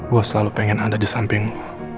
gue selalu pengen ada di samping